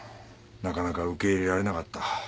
なかなか受け入れられなかった。